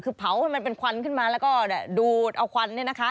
คือเผาให้มันเป็นควันขึ้นมาแล้วก็ดูดเอาควัน